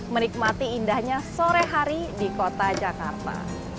menikmati indahnya sore hari di kota jakarta